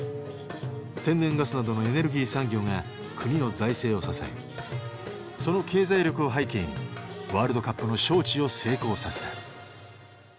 天然ガスなどのエネルギー産業が国の財政を支えその経済力を背景にワールドカップの招致を成功させた。